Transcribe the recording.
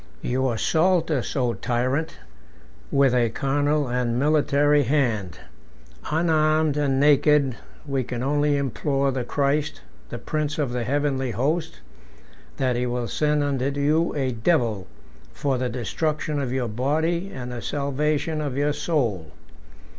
"You assault us, O tyrant! with a carnal and military hand: unarmed and naked we can only implore the Christ, the prince of the heavenly host, that he will send unto you a devil, for the destruction of your body and the salvation of your soul.